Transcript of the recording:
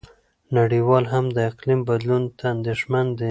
نړیوال هم د اقلیم بدلون ته اندېښمن دي.